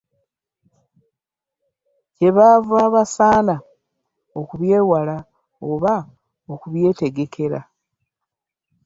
Kyebava basaana okubyewala oba okubyetegekera .